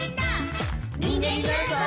「にんげんになるぞ！」